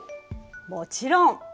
もちろん。